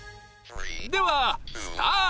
ではスタート